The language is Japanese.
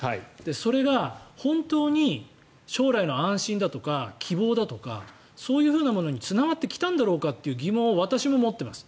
それが本当に将来の安心だとか希望だとかそういうものにつながってきたんだろうかって疑問を私も持っています。